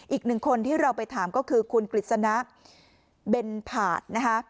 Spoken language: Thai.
อีกหนึ่งคนที่เราไปถามก็คือคุณกฤษณะเบนผาดนะคะ